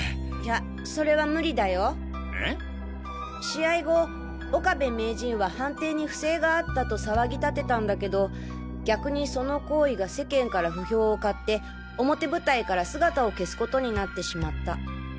試合後岡部名人は判定に不正があったと騒ぎ立てたんだけど逆にその行為が世間から不評をかって表舞台から姿を消すことになってしまった。